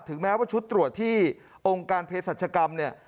แม้ว่าชุดตรวจที่องค์การเพศรัชกรรมเนี่ย